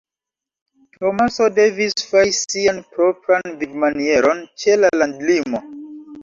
Tomaso devis fari sian propran vivmanieron ĉe la landlimo.